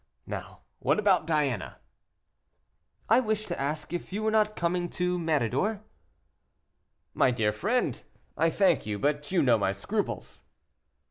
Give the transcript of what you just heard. Now, what about Diana?" "I wished to ask if you were not coming to Méridor." "My dear friend, I thank you, but you know my scruples."